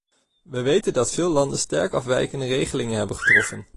We weten dat veel landen sterk afwijkende regelingen hebben getroffen.